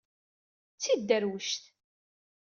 D tidderwect!